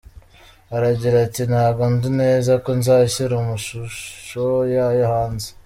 Aragira ati "Ntabwo nzi neza ko nzashyira amashusho yayo hanze.